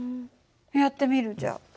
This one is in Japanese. やってみるじゃあ。